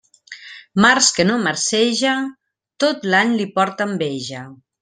Març que no marceja, tot l'any li porta enveja.